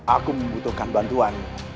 aku membutuhkan bantuan